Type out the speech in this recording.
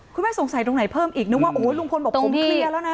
คุณแม่สงสัยตรงไหนเพิ่มอีกนึกว่าโอ้ยลุงพลบอกผมเคลียร์แล้วนะ